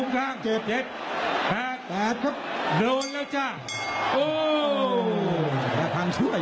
กาหรับท่าน